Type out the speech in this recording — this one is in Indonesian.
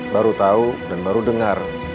baru tahu dan baru dengar